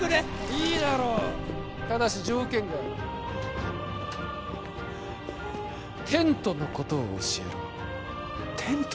いいだろうただし条件があるテントのことを教えろテント？